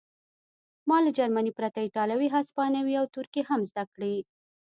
ما له جرمني پرته ایټالوي هسپانوي او ترکي هم زده کړې